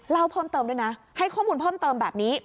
เล่าเพิ่มเติมด้วยนะให้ข้อมูลเพิ่มเติมแบบนี้